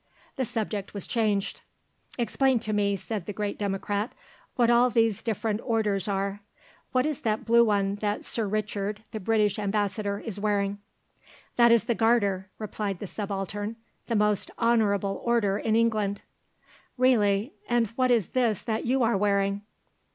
The subject was changed. "Explain to me," said the great Democrat, "what all these different orders are. What is that blue one that Sir Richard, the British Ambassador, is wearing?" "That is the Garter," replied the Subaltern; "the most honourable order in England." "Really, and what is this that you are wearing?"